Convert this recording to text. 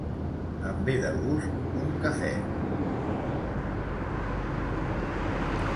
Em ve de gust un cafè.